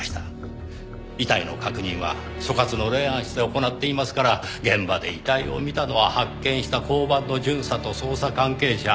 遺体の確認は所轄の霊安室で行っていますから現場で遺体を見たのは発見した交番の巡査と捜査関係者。